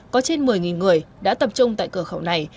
có trên một mươi người đã tập trung tại cửa khẩu này